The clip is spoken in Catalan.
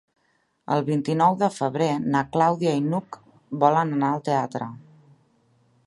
El vint-i-nou de febrer na Clàudia i n'Hug volen anar al teatre.